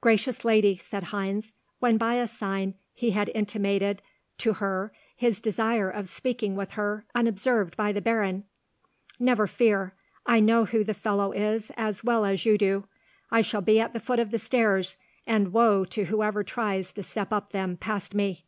"Gracious lady," said Heinz, when by a sign he had intimated to her his desire of speaking with her unobserved by the Baron, "never fear; I know who the fellow is as well as you do. I shall be at the foot of the stairs, and woe to whoever tries to step up them past me."